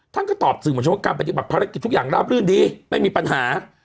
ท่านก็ตอบสื่อมวลชนว่าการปฏิบัติภารกิจทุกอย่างราบรื่นดีไม่มีปัญหา